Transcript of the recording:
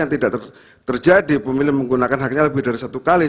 yang tidak terjadi pemilih menggunakan haknya lebih dari satu kali